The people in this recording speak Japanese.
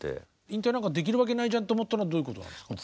引退なんかできるわけないじゃんと思ったのはどういうことなんですか？